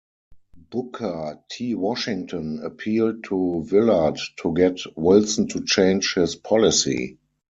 Booker T. Washington appealed to Villard to get Wilson to change his policy.